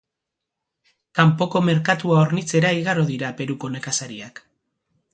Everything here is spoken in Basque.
Kanpoko merkatua hornitzera igaro dira Peruko nekazariak.